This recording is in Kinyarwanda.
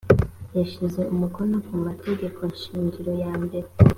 yashyize umukono ku mategeko shingiro ya mbere